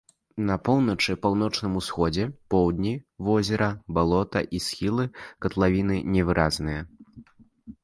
На поўначы, паўночным усходзе і поўдні возера балота і схілы катлавіны невыразныя.